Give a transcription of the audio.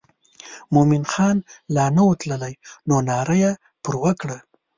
مومن خان لا نه و تللی نو ناره یې پر وکړه.